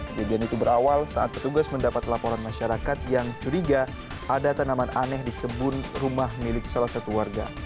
kejadian itu berawal saat petugas mendapat laporan masyarakat yang curiga ada tanaman aneh di kebun rumah milik salah satu warga